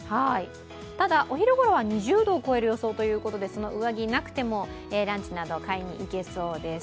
ただ、お昼ごろは２０度を超える予想ということなので上着、なくてもランチなど買いに行けそうです。